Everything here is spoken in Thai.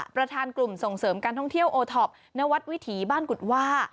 ประธานกลุ่มส่งเสริมการท่องเที่ยวโอท็อปณวัดวิถีบ้านกุฎว่า